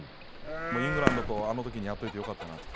イングランドとあのときにやっておいてよかったなと。